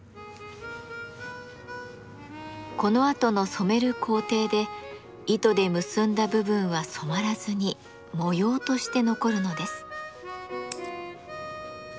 このあとの染める工程で糸で結んだ部分は染まらずに模様として残るのです。